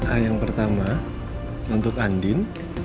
a yang pertama untuk andin